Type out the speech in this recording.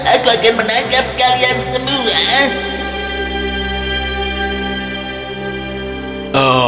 aku akan menangkap kalian semua